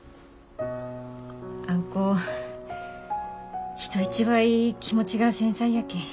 あん子人一倍気持ちが繊細やけん。